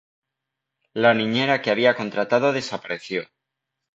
La niñera que había contratado desapareció.